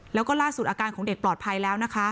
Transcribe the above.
แล้วก็ล่าสุดอาการของเด็กปลอดภัยแล้วนะคะ